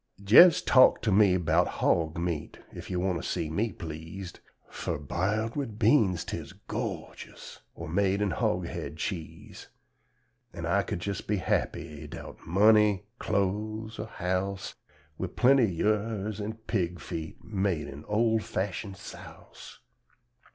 Jes' talk to me 'bout hog meat, ef yo' want to see me pleased, Fur biled wid beans tiz gor'jus, or made in hog head cheese; An' I could jes' be happy, 'dout money, cloze or house, Wid plenty yurz an' pig feet made in ol' fashun "souse."